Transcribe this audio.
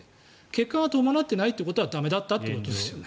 結果が伴ってないということは駄目だったということですね。